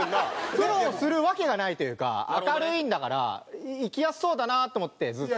苦労するわけがないというか明るいんだから生きやすそうだなと思ってずっと。